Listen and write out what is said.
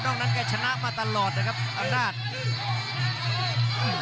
นอกนั้นก็ชนะมาตลอดครับอำนาจ